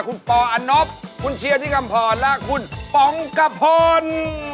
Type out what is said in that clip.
คุณปออันนบคุณเชียร์ที่กำพรและคุณป๋องกะพล